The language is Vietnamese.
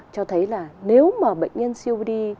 cho thấy là nếu mà bệnh nhân covd